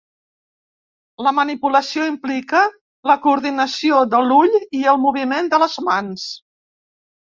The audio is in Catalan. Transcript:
La manipulació implica la coordinació de l'ull i el moviment de les mans.